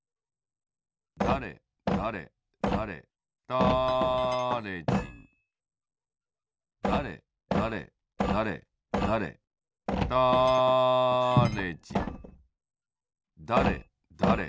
だれだれだれだれだれじんだれだれ